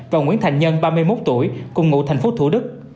và nguyễn thành nhân ba mươi một tuổi cùng ngụ thành phố thủ đức